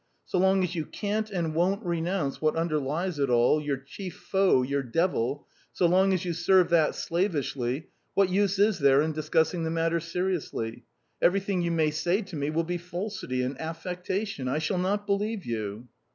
So long as you can't and won't renounce what underlies it all, your chief foe, your devil so long as you serve that slavishly, what use is there in discussing the matter seriously? Everything you may say to me will be falsity and affectation. I shall not believe you."